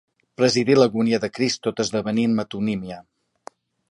Presidí l'agonia de Crist tot esdevenint metonímia.